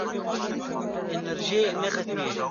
انرژي نه ختمېږي.